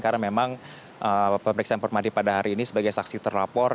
karena memang pemeriksaan permadi pada hari ini sebagai saksi terlapor